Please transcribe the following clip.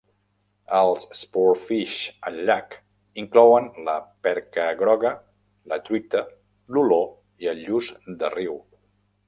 Els sportfish al llac inclouen la perca groga, la truita, l'olor i el lluç de riu.